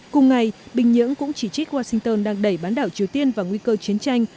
cùng ngày bình nhưỡng cũng chỉ trích washington đang đẩy bán đảo triều tiên và nguy cơ chiến tranh